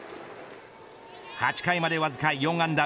８回までわずか４安打